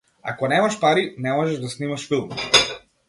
Ако немаш пари, не можеш да снимаш филм.